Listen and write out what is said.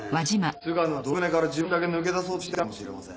菅野は泥船から自分だけ抜け出そうとしていたのかもしれません。